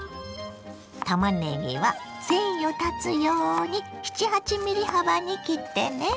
たまねぎは繊維を断つように７８ｍｍ幅に切ってね。